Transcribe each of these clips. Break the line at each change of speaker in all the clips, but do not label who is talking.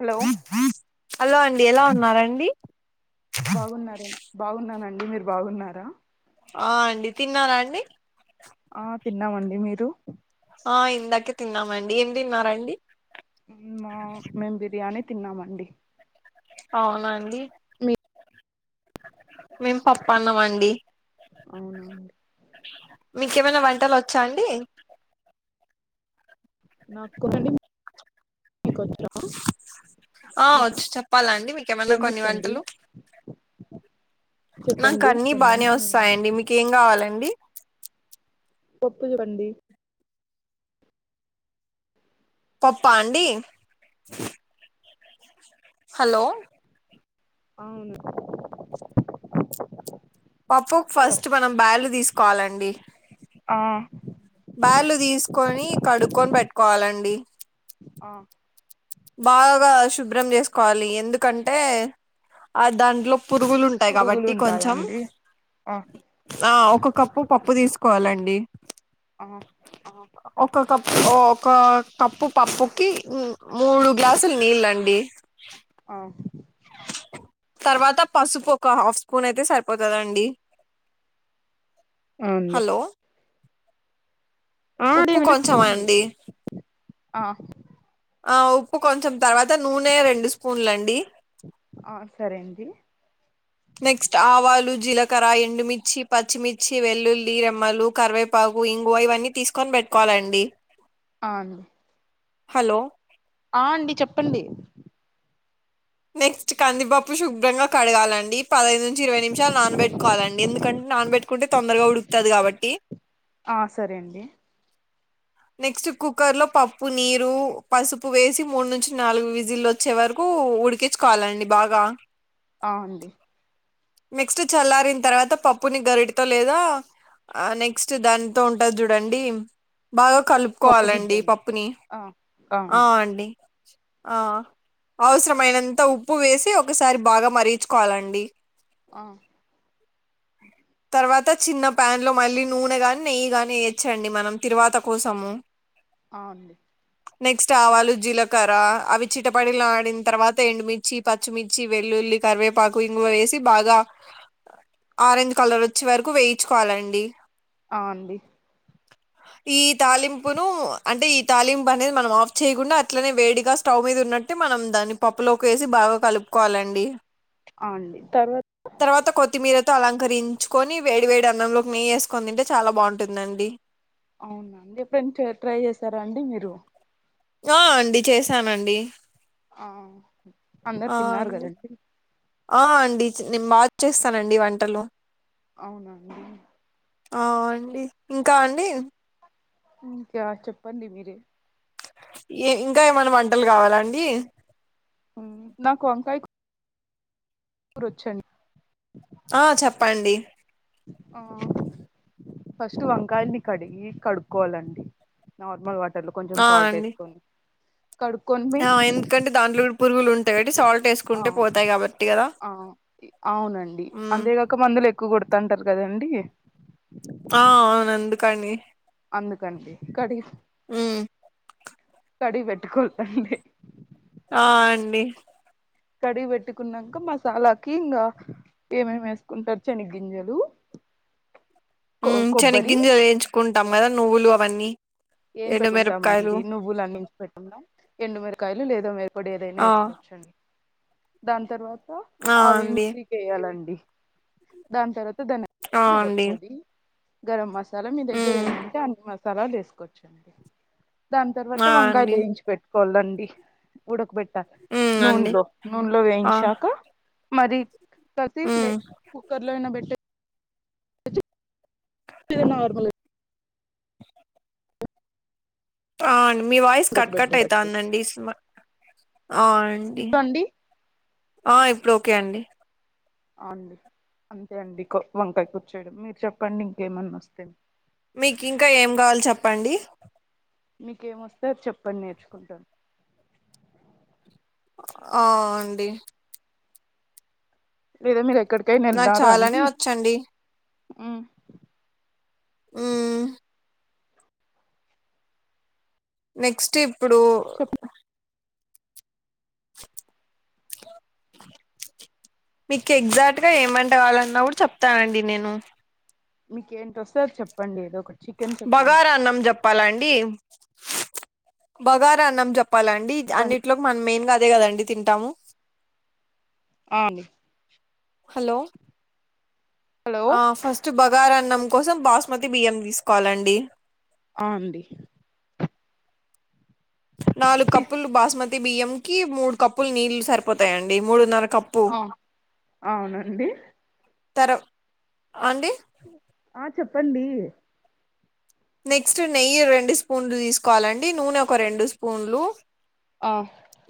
Hello
hello అండి ఎలా ఉన్నారండి
బాగున్నారు బాగున్నానండి మీరు బాగున్నారా
ఆ అండి తిన్నారా అండి
ఆ తిన్నామండి మీరు
ఆ ఇందాకే తిన్నామండి ఏం దిన్నారండి
ఉం మా మేం బిర్యానీ తిన్నామండి
అవునండి
మీ
మేం పప్పన్నం అండి
అవునా అండి
మికేమన్న వంటలోచ్చా అండి
నకోకటి నికోటి
ఆ వాచ్ చెప్పాలా అండి మీకేమన్నా కొన్ని
ఏమొచ్చండి
వంటలు
చెప్పండి
నాకన్నీ
కొన్ని
బాగానే
మేము
వస్సాయండి
నేర్చుకుంటాం
మీకేం గావాలండి
పప్పుందండి
పప్పా అండి హలో
అవును
పప్పుక్
హలో
ఫస్ట్ మనం బ్యార్లు దిస్కోవాలండి
ఆ
బ్యార్లు దీస్కొని కడుక్కొన్ బెట్కోవాలండి
ఆ
బాగా శుభ్రం జేస్కోవాలి ఎందుక్ కంటే ఆ దాంట్లో పురుగులుంటాయ్
పురుగులు
కాబట్టి కొంచం
ఉంటాయండి ఆ
ఆ ఒక కప్పు పప్పు దీస్కోవాలండి
అ
ఒక కప్పు ఒక కప్పు పప్పుకి మూడు గ్లాసుల్ నీళ్లండి
అ
తర్వాత పసుపు ఒక హాఫ్ స్పూన్ అయితే సరిపోతదండి.
య అండి
హలో
ఆ నే
ఉప్పు
విన్పిస్సుంది
కొంచెం
చేప్పండి
అండి ఆ ఉప్పు కొంచెం తర్వాత నూనె రెండు స్పూన్లండి
ఆ సరే అండి
నెక్స్ట్ ఆవాలు, జీలకర, ఎండుమిచ్చి, పచ్చిమిచ్చి, వెల్లుల్లి రెమ్మలు, కరివే బగు ఇంగువ ఇవన్నీ తీస్కొన్ బెట్కోవాలండి
అవును
హలో
ఆ అండి చెప్పండి
నెక్స్ట్ కందిపప్పు శుభ్రంగా కడగాలండి. పదహైదు నుంచి ఇరవై నిమిషాల్ నానబెట్కోవాలండి ఎందుకన్ నానబెట్కుంటే తొందరగా ఉడుకుతది కాబట్టి
ఆ సరే అండి
నెక్స్ట్ కుక్కర్ లో పప్పు, నీరు, పసుపు వేసి మూడు నుంచి నాలుగు విజిల్లో చివరకు ఉడికిచ్చుకోవాలండి బాగా
ఆ అండి
నెక్స్ట్ చల్లారిన్ తర్వాత పప్పుని గరిటతో లేదా ఆ నెక్స్ట్ దాన్తో ఉంటద్ జుడండి బాగా కలుప్
పప్పు
కోవాలండి
గిద్దండి
పప్పుని
ఆ
ఆ అండి ఆ అవసరమైనంత ఉప్పు వేసి ఒకసారి బాగా మరిగిచ్చుకోవాలండి
ఆ
తర్వాత చిన్న పాన్ లో మళ్ళీ నూనె గాన్ నెయ్యి గానీ ఏయోచ్చండి మనం తిరువాత కోసము
ఆ అండి
నెక్స్ట్ ఆవాలు జీలకర్ర అవి చిటపడిలాడిన తర్వాత ఎండుమిర్చి పచ్చ చ్చిమిర్చి వెల్లుల్లి కరివేపాకు ఇంగువ వేసి బాగా ఆరెంజ్ కలర్ వచ్చే వరకు వేయిచుకోవాలండి
ఆ అండి
ఈ తాలింపును అంటే ఈ తాలింపు అనేది మనం ఆఫ్ చేయకుండా అట్లనే వేడిగా స్టవ్ మీద ఉన్నట్టు నట్టు మనం దాన్ని పప్పులోకి వేసి బాగా కలుపుకోవాలండి.
ఆ అండి
తర్వాత కొత్తిమీరతో అలం కరించుకొని వేడి వేడి అన్నంలోకి నెయ్యి వేసుకొని తింటే చాలా బాగుంటుందండి.
అవున అండి ఎప్పుడై ట్రై చేసారా అండి మీరు
ఆ అండి చేసానండి
ఆ అందరు తిన్నారు
అండి
కదండి
ఆ అండి నేను బా చేస్తానండి వంటలు
అవునండి
ఆ అండి ఇంకా అండి
ఇంకా చెప్పండి మీరే
ఏ ఇంకా ఏమైన్నా వంటలు కావాలాండీ
నాకు వంకాయ కూర రొచ్చండి
ఆ చెప్పండీ
ఆ ఫస్ట్ వంకాయల్ ని కడిగి కడుక్కోవాలండి నార్మల్ వాట్ టర్లో కొంచెం
ఆ
సాల్ట్
అండి
వేసుకొని కడుకుని
ఆ ఎందుకంటే దాంట్లో కూడా పురుగులుం
ఆఆ అవునండి
మ్మ్
అంతేగా ఒక్క మందులెక్కువ కొడుతుంటారు కదండి
ఆ అ నందుకని
అందుకండి కడిగి
ఉమ్
కడిగి పెట్టుకోదండి
ఆ అండి
కడిగి పెట్టుకున్నాక మసాలాకి ఇంగా ఏమేం వేసుకుంటారు శనిగ్ గింజలు
ఉమ్ చెనిగింజలు వేయించుకుంటాం కదా నువ్వులు అవన్నీ
ఏం పెట్టుకుంటాం
ఎండుమిరపకాయలు
అండి నువ్వులు అన్నించి పెట్టుకుంటా ఎండుమిరకాయలు లేదో మిర పొడి ఏదైనా
ఆ
వేసుకోవచ్చండి దాని తర్వాత
ఆ
అవి
అండి
మరి వేయాలండి దాని తర్వాత దాని
ఆ అండి
[unintelligible] గరం మసాలా మసాలా మీ దగ్గర
మ్మ్
ఏముంటే అన్ని మసాల వేసుకోవచ్చండి దాని
ఆ
తర్వాత వంకాయలు
అండి
వేయించి పెట్టు కోలండి ఉడకబెట్టాలి
మ్మ్ అండి
నూనెలో నూనెలో
ఆ
వేయించాక మరి కసి లే
మ్మ్
కుక్కర్ లో అయినా పెట్టే లే నార్మల్ గా
అ మీ వాయిస్ కట్
ఉడకబెట్ట
కట్
బట్టి
అయితండెంది అ అండి ఆ ఇప్పుడోకే అండి
అవునండి అంతే అండి వంకాయ కూర చేయడం మీరు చెప్పండి ఇంకేమన్నా వస్తే
మీకింకా ఏం కావాలో చెప్పండి
మీకేమొస్తే అది చెప్పండి నేర్చుకుంటాను
ఆ అండి
[unintelligible] మీరు ఎక్కడికైనా
నాకు
ఎల్లారా
చాలానే
అండి
వచ్చండి ఉమ్ నెక్స్ట్ ఇప్పుడు
చెప్
మీకెగ్జాక్ట్ గా ఏమంటవాలన్నా అప్పుడు చెప్తానండి నేను
మీకేం తోస్తే అది చెప్పండి ఏదో ఒకటి చికెన్ చెప్పండి
బగారాన్నం చెప్పాలండి బగారా అన్నం చెప్పాలండి అండి
చెప్పండి
అన్నింటిలోకి మనమ్ మెయిన్ గా అదే కదండి తింటాము
అ
హలో ఆ ఫస్ట్ బగారా అన్నం కోసం బాస్మతి బియ్యం తీసుకోవాలండి
ఆ అండి
నాలుగు కప్పులు బాస్మతి బియ్యం కి మూడు కప్పులు నీళ్లు సరిపోతాయండి మూడున్నర కప్పు
ఆ అవునండి
తరవ్ అండి
ఆ చెప్పండి
నెక్స్ట్ నెయ్యి రెండు స్పూన్లు తీసుకోవాలండి నూనె ఒక రెండు స్పూన్లు
ఆ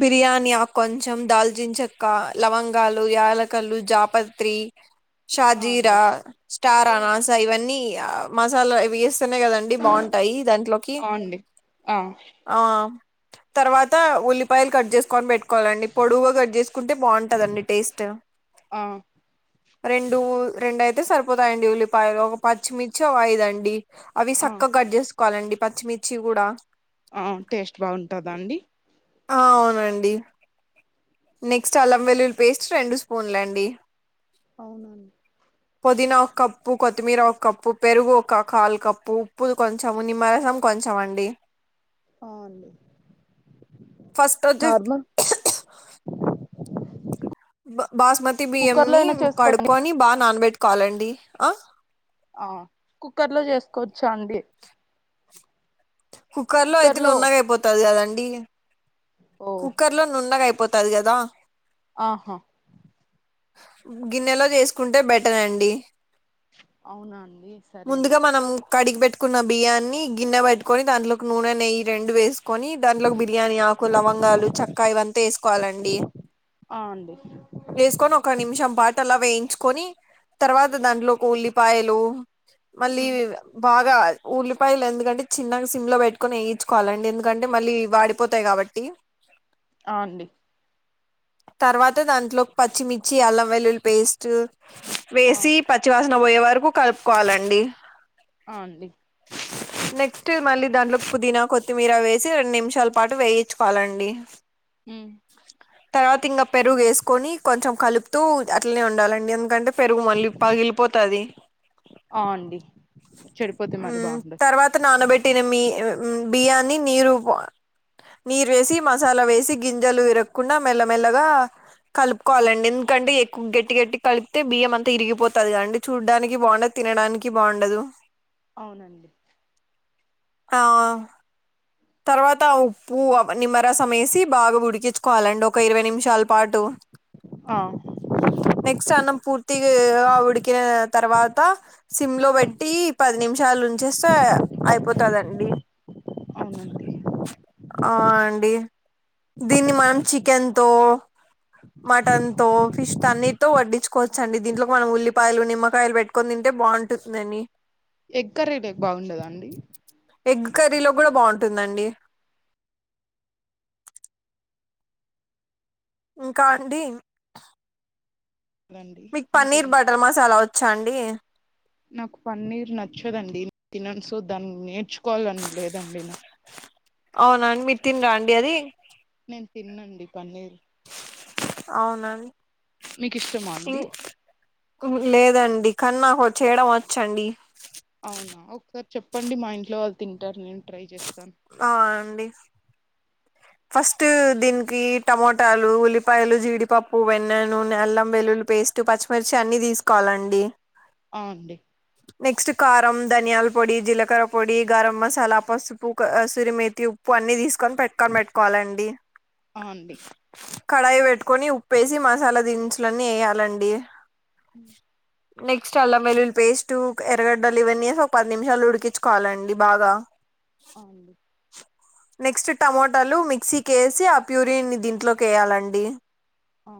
బిర్యానీ ఆక్ కొంచెం దాల్చన్ చెక్క లవంగాలు యాలకలు జాపత్రి
ఆ
షాజీరా
అండి
స్టార్ అనాస ఇవన్నీ మసాలావి వేస్తేనే కదండి అండి బావుంటాయి దాంట్లోకి
ఆ అండి ఆ
ఆ తర్వాత ఉల్లి కట్ చేసుకొని పెట్టుకోవాలండి పొడువుగా కట్ చేసుకుంటే బావుంటదండి టేస్ట్
ఆ
రెండు రెండైయితే సరిపోతాయండి ఉల్లిపాయలు ఒక పచ్చిమిర్చి ఒక ఐదండి అవి
ఆ
సక్కగ కట్ చేసుకోవాలండి పచ్చిమిర్చి కూడా
ఆ టేస్ట్ బాగుంటదండి
అ అవునండి నెక్స్ట్ అలం వెల్లుల్లి పేస్ట్ రెండు స్పూన్లండి
అవునా
పోదీనా ఒక కప్పు కొత్తిమీర ఒక కప్పు పెరుగు ఒక కాలు కప్పు ఉప్పు కొంచెం నిమ్మరసం కొంచం అండి
అ అండి
ఫస్ట్ వచ్చేసి
నార్మల్
బ బాస్మతి
కుక్కర్ లో
బియ్యంని
అయినా చేసుకోవచ్చండి
కడుక్కొని బాగా నానబెట్టుకోవాలండి ఆ
ఆ కుక్కర్ లో చేసుకోవచ్చా అండి
కుక్కర్ లో అయితే నున్నగాయిపోతది కదండి
ఓ
కుక్కర్ లో నున్నగ అయిపోతది కదా
ఆహా
గిన్నెలో చేసుకుంటే బెటర్ అండి
అవునా అండి సరే
ముందుగా
అండి
మనం కడిగి పెట్టుకున్న బియ్యాన్ని గిన్నె పెట్టుకోని దాంట్లో కు నూనె నెయ్యి రెండు వేసుకొని దాంట్లో కు బిర్యానీ యాకు లవంగాలు చెక్క ఇవంతా వేసుకోవాలండి
ఆ అండి
వేసుకొని ఒక నిమిషం పాటు అలా వేయించుకొని తర్వాత దాంట్లో కు ఉల్లిపాయలు మళ్ళీ
ఉమ్
బాగా ఊల్లిపాయలు ఎందుకంటే చిన్నగ సిమ్ లో పెట్టుక్ కొని వేయించుకోవాలండి ఎందుకంటే మళ్ళీ వాడిపోతాయి కాబట్టి
అ అండి
తర్వాత దాంట్లో పచ్చిమిర్చి అల్లం వెల్లుల్లి పేస్ట్
ఆ
వేసి పచ్చివాసన పోయే వరకు కలుపుకోవాలండి
ఆ అండి
నెక్స్ట్ మళ్ళీ దాంట్లో పుదీనా కొత్తిమీర వేసి రెండు నిమిషాల పాటు వేయించుకోవాలండి
మ్మ్
తర్వాత ఇంగ పెరుగు వేసుకొని కొంచెం కలుపుతూ అట్లనే ఉండాలండి ఎందుకంటే పెరుగు మళ్ళీ పగిలిపోతాది
ఆ అండి చెడు
మ్మ్ తర్వాత నానబెట్టిన మీ బియ్యాన్ని నీరు నీరేసి మసాలా వేసి గింజలు విరక్కుండా మెల్లమెల్లగా కలుపుకోవాలండి ఎందుకంటే ఎక్కువ గట్టి గట్టి గా కలిపితే బియ్యం అంతా ఇరిగిపోతది గా అండి చూడ్డానికి బాగుండదు తినడానికి బాగుండదు
అవునండి
ఆ తర్వాత ఉప్పు నిమ్మరసం యేసి బాగా ఉడికిచ్చుకోవాలండి ఒక ఇరవై నిమిషాలు పాటు
ఆ
నెక్స్ట్ అన్నం పూర్తిగా ఉడికినా తర్వాత సిమ్ లో పెట్టి పది నిమిషాలు ఉంచేస్తే అయిపోతదండి
అవునండి
అ అండి దీన్ని మనం చికెన్ తో మటన్ తో ఫిష్ తో అన్నిటితో వడ్డిచ్చు కోవచ్చండి దీంట్లో కి మనం ఉల్లిపాయలు నిమ్మకాయలు పెట్టు కొని తింటే బాగుంటుంది అని
ఎగ్ కర్రీ లోకి బాగుండదా అండి
ఎగ్ కర్రీలో కూడా బాగుంటుందండి ఇంకా అండి
రండి
మీకు పన్నీర్
ఇంకేం
బటర్ మసాలా వచ్చా అండి
నాక్ పన్నీర్ నచ్చదండి నిన్ తినను సో దాన్ని నేర్చుకోవాలని లేదండి నా
అవునా మీర్ తినరా అండి అది
నిన్ తినను అండి పన్నీరు
అవునా
మీకి ఇష్టమా అండి
లేదండి కానీ నాకు చేయడం వచ్చండి
అవునా ఒకసారి చెప్పండి మా ఇంట్లో వాళ్ళు తింటారు నేను ట్రై చేస్తాను
ఆ అండి ఫస్ట్ దీనికి టమోటాలు ఉల్లిపాయలు జీడిపప్పు వెన్నె నూనె అల్లం వెల్లుల్లి పేస్ట్ పచ్చిమిర్చి అన్ని తీసుకోవాలండి
ఆ అండి
నెక్స్ట్ కారం ధనియాల పొడి జీలకర్ర పొడి గరం మసాలా పసుపు కసురి మేతి ఉ ఉప్పు అన్నీ తీసుకొని పక్కన పెట్టుకోవాలండి
ఆ అండి
కడాయి పెట్టుకొని ఉప్పేసి మసాలా దినుసులన్నీ ఎయ్యాలండి
ఉ
నెక్స్ట్ అల్లంవెల్లుల్లి పేస్టు ఎరగడ్డలు ఇవన్నీ ఏస్ ఒగ్ పది నిమిషాలు ఉడికిచ్చుకోవాలండి బాగా
ఆ అండి
నెక్స్ట్ టమోటాలు మిక్సీకేసి ఆ ప్యూరినీ దీంట్లోకెయ్యాలండి
అ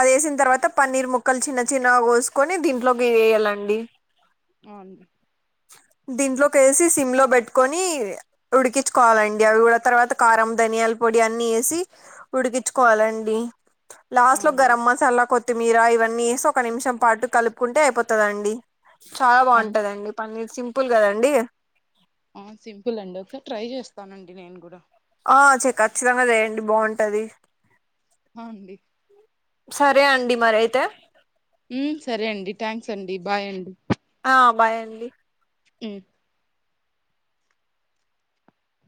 అదేసిన్ తర్వాత పన్నీర్ ముక్కల్ చిన్న చిన్నగా గోస్కొని దీంట్లోకి ఎయ్యలండి
ఆ అండి
దీంట్లోకేసి సిమ్ములో బెట్ట్కోని ఉడికిచ్చ్ కోవాలండి గుడా తర్వాత కారం ధన్యాల్ పొడి అన్నీ ఏసి ఉడికిచ్చుకోవాలండి
ఆ
లాస్ట్లో
అండి
గరం మసాలా కొత్తిమీర ఇవన్నీ ఏసి ఒక నిమిషం పాటు కలుప్కుంటే ఐపోతాదండి చాలా బాంటదండి పన్నీర్ సింపుల్ గదండి
ఆ సింపులండి ఒక్సార్ ట్రై జేస్తానండి నేన్ గుడా
ఆ చే ఖచ్చితంగా జేయండి బ్వాంటది
హా అండి
సరే అండి మరైతే
ఉ సరే అండి థ్యాంక్సండి బాయండి
ఆ బాయండి
ఉ